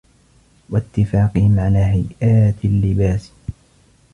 وَاتِّفَاقِهِمْ عَلَى هَيْئَاتِ اللِّبَاسِ